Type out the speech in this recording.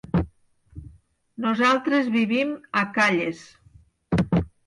Nosaltres vivim a Calles.